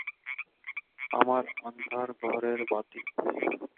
আমার আন্ধার ঘরের বাতি।